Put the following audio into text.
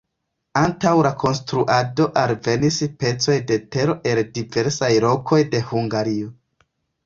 Antaŭ la konstruado alvenis pecoj de tero el diversaj lokoj de Hungario.